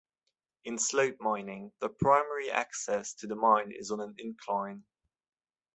In slope mining, the primary access to the mine is on an incline.